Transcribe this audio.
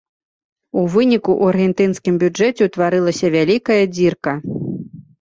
У выніку ў аргентынскім бюджэце ўтварылася вялікая дзірка.